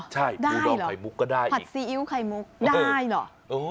ใช่ดูดองไข่มุกก็ได้ผัดซีอิ๊วไข่มุกได้เหรอ